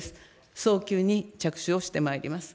早急に着手をしてまいります。